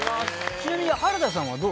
ちなみに原田さんはどう？